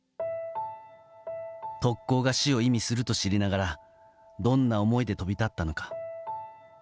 特攻が死を意味すると知りながらどんな思いで飛び立ったのか。